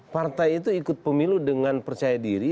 partai itu ikut pemilu dengan percaya diri